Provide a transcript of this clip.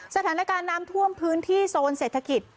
สถานการณ์น้ำท่วมพื้นที่โซนเศรษฐกิจ